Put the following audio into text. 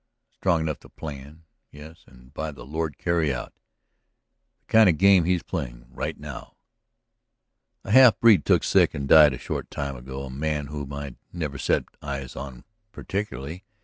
Strong enough to plan ... yes, and by the Lord, carry out! ... the kind of game he's playing right now. "A half breed took sick and died a short time ago, a man whom I'd never set my eyes on particularly.